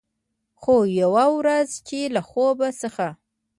خو، یوه ورځ چې له خوب څخه